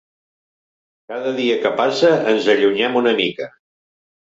Cada dia que passa ens allunyem una mica.